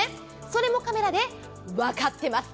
それもカメラで分かってます。